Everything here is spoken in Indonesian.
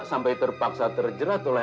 sampai terpaksa terjerat oleh